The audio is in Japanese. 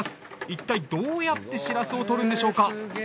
一体どうやってしらすを取るんでしょうか？